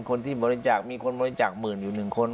คนที่บริจาคมีคนบริจาคหมื่นอยู่๑คน